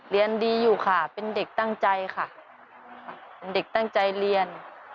เรียนดีอยู่ค่ะเป็นเด็กตั้งใจค่ะเด็กตั้งใจเรียน